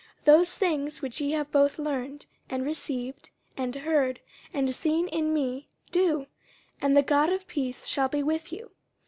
50:004:009 Those things, which ye have both learned, and received, and heard, and seen in me, do: and the God of peace shall be with you.